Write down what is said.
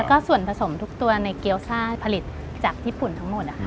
ก็ส่วนผสมทุกตัวในเกี้ยวซ่าผลิตจากญี่ปุ่นทั้งหมดนะคะ